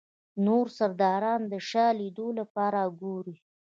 نور سرداران د شاه لیدلو لپاره ګوري.